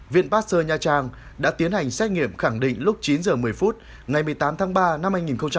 viện pasteur nha trang đã tiến hành xét nghiệm khẳng định lúc chín h một mươi phút ngày một mươi tám tháng ba năm hai nghìn hai mươi